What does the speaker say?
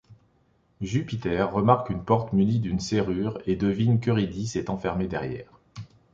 Jupiter remarque une porte munie d'une serrure et devine qu'Eurydice est enfermée derrière.